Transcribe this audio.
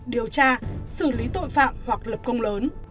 điều tra xử lý tội phạm hoặc lập công lớn